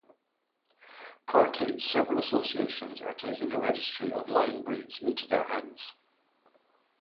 Currently several associations are taking the registry of the line breeds into their hands.